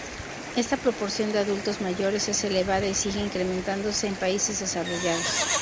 Esta proporción de adultos mayores es elevada y sigue incrementándose en países desarrollados.